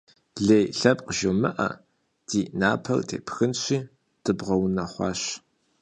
Лей лъэпкъ жумыӏэ, ди напэр тепхынщи, дыбгъэунэхъуащ.